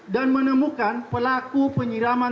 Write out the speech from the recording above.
dan menemukan pelaku penyiraman